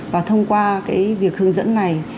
và thông qua việc hướng dẫn này